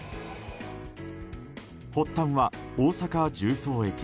発端は大阪・十三駅。